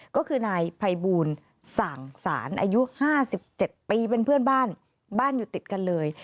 ก็คือนายภัยบูลสั่งสารอายุ๕๗ปีเป็นเพื่อนบ้านบ้านอยู่ติดกันเลย